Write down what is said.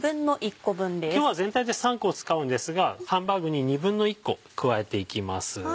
今日は全体で３個使うんですがハンバーグに１／２個加えていきます。